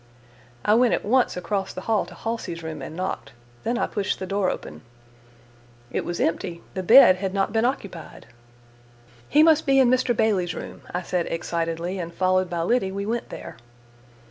I went at once across the hall to Halsey's room and knocked; then I pushed the door open. It was empty; the bed had not been occupied! "He must be in Mr. Bailey's room," I said excitedly, and followed by Liddy, we went there.